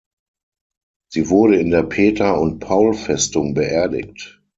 Sie wurde in der Peter-und-Paul-Festung beerdigt.